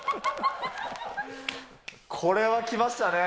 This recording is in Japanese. これはきましたね。